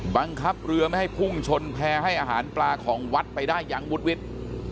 บังคับเรือไม่ให้พุ่งชนแพร่ให้อาหารปลาของวัดไปได้อย่างวุดวิด